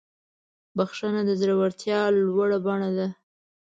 بخښنه د زړورتیا لوړه بڼه ده.